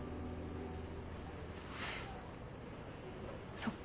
そっか。